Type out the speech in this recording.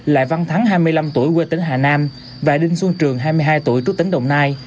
lại văn thắng hai mươi năm tuổi quê tỉnh hà nam và đinh xuân trường hai mươi hai tuổi trú tỉnh đồng nai